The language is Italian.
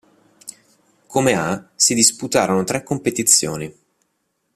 Come a si disputarono tre competizioni.